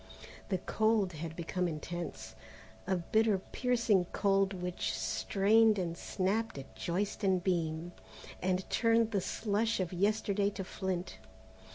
The cold had become intense, a bitter piercing cold which strained and snapped at joist and beam and turned the slush of yesterday to flint.